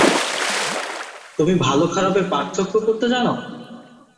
তুমি ভালো খারাপের পার্থক্য করতে জানো?